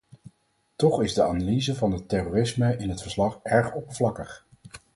Toch is de analyse van het terrorisme in het verslag erg oppervlakkig.